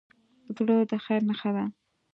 زړه د خیر نښه ده.